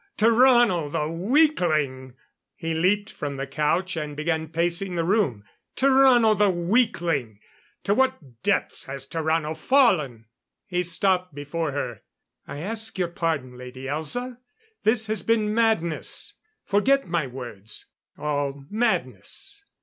Tarrano the weakling!" He leaped from the couch and began pacing the room. "Tarrano the weakling! To what depths has Tarrano fallen!" He stopped before her. "I ask your pardon, Lady Elza. This has been madness. Forget my words all madness."